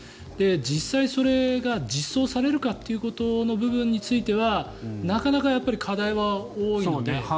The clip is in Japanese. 実際、それが実装されるかということの部分についてはなかなか課題は多いので。